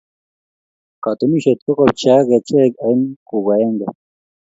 katunisiet ko kopcheak kecheik aeng kou agenge